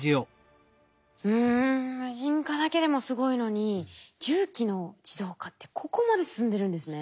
うん無人化だけでもすごいのに重機の自動化ってここまで進んでるんですね。